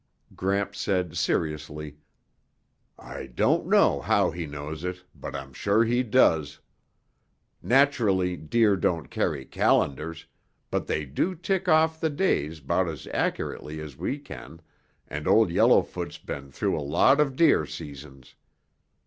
Gramps said seriously, "I don't know how he knows it, but I'm sure he does. Naturally deer don't carry calendars, but they do tick off the days 'bout as accurately as we can and Old Yellowfoot's been through a lot of deer seasons.